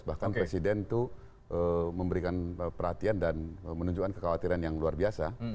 bahkan presiden itu memberikan perhatian dan menunjukkan kekhawatiran yang luar biasa